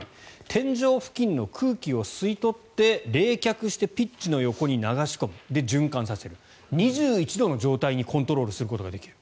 天井付近の空気を吸い取って冷却してピッチの横に流し込む循環させる、２１度の状態にコントロールすることができる。